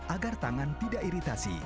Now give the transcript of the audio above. agar tangan tidak iritasi